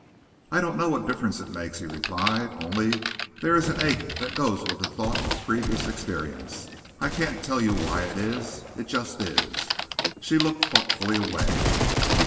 "I don't know what difference it makes," he replied, "only there is an ache that goes with the thought of previous experience. I can't tell you why it is. It just is." She looked thoughtfully away.